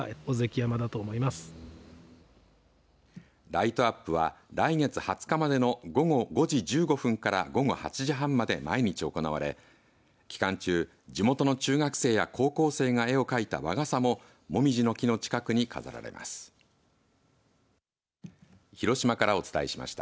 ライトアップは来月２０日までの午後５時１５分から午後８時半まで毎日行われ期間中地元の中学生や高校生が絵を描いた和傘も紅葉の木の近くに飾られます。